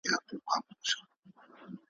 د دې غم کیسه اوږده ده له پېړیو ده روانه ,